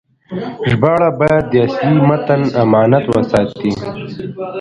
ژباړه باید د اصلي متن امانت وساتي.